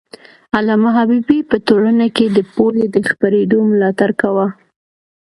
علامه حبيبي په ټولنه کي د پوهې د خپرېدو ملاتړ کاوه.